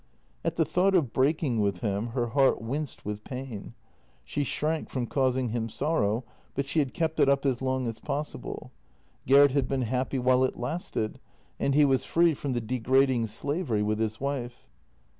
At the thought of breaking with him her heart winced with pain. She shrank from causing him sorrow, but she had kept it up as long as possible. Gert had been happy while it lasted, and he was free from the degrading slavery with his wife.